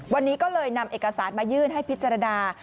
วันนี้ก็เลยนำเอกสารมายื่นให้พิจารณา